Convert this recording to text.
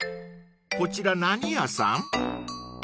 ［こちら何屋さん？］